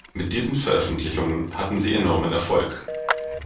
Mit diesen Veröffentlichungen hatten sie enormen Erfolg.